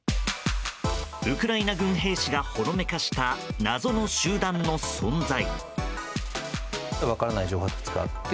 ウクライナ軍兵士がほのめかした謎の集団の存在。